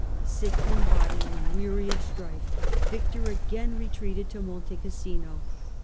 Sick in body a nd w e ary ^ of strife, Victor again retreated to Monte Cassino.